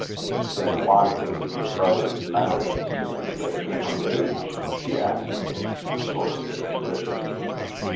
"Then why didn't both brothers marry as soon as they came of age?" she asks me, sort of suspicious.